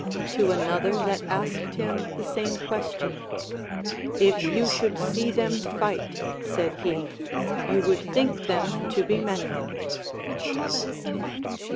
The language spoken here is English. To another that asked him the same ques tion, If you should see them fight, said he, you would think them to be many.